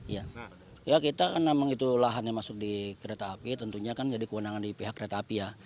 ya kita karena begitu lahan yang masuk di kereta api tentunya kan jadi kewenangan di pihak kereta api ya